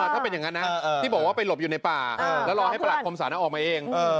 ถ้าเป็นอย่างนั้นนะที่บอกว่าไปหลบอยู่ในป่าแล้วรอให้ประหลักคมศาลออกมาเอง